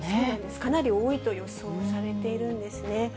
かなり多いと予想されているんですね。